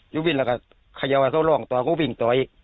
ยุทธ์วิ่งแล้วก็คยาวเขารองต่อก็วิ่งต่ออีก